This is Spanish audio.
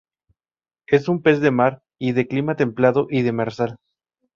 Es un pez de mar y de Clima templado y demersal.